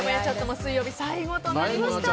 水曜日最後となりました。